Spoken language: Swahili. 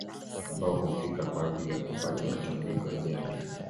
ambao hufika kwa ajili ya kufanya matambiko ya jadi